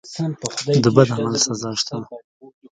د بد عمل سزا شته.